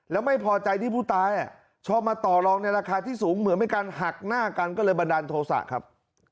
แล้วไม่พอใจที่ผู้ตายชอบมาต่อลองในราคาที่สูงเหมือนเป็นการหักหน้ากันก็เลยบันดาลโทษะครับ